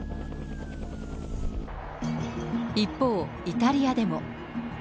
一方、イタリアでも。